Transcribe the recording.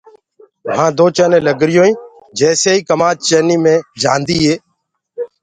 وهآ دو چيني لگريٚونٚ تي جيسي ئي ڪمآد چينيٚ مي جآنديٚ۔